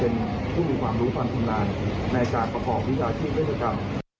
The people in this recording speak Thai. เป็นผู้มีความรู้ความทุนลานในการประกอบวิญญาณชื่อเฟศกรรม